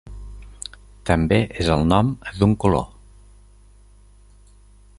També és el nom d'un color.